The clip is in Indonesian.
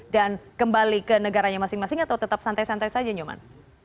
dan kembali ke negaranya masing masing atau tetap santai santai saja nyoman